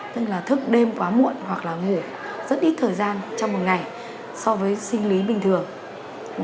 tức là thức đêm quá muộn hoặc là ngủ rất ít thời gian trong một ngày so với sinh lý bình thường